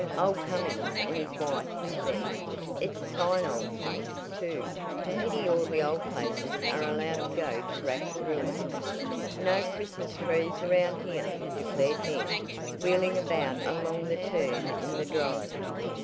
"Old Cummings and his wife live there. It's a fine old place, too. Pity all the old places are allowed to go to rack and ruin." "No Christmas trees around here," declared Ned, wheeling about along the turn in the drive.